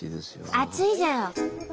熱いじゃろ？